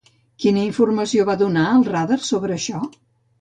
Quina informació va donar el radar sobre això?